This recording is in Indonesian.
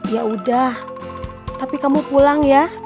yaudah tapi kamu pulang ya